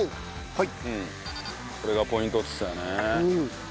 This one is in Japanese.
はい。